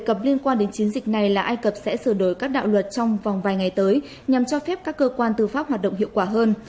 các cực liên quan đến chiến dịch này là ai cập sẽ sửa đổi các đạo luật trong vòng vài ngày tới nhằm cho phép các cơ quan tư pháp hoạt động hiệu quả hơn